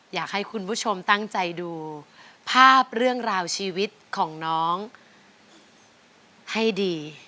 อยากให้คุณผู้ชมตั้งใจดูภาพเรื่องราวชีวิตของน้องให้ดี